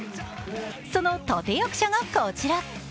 その立て役者がこちら。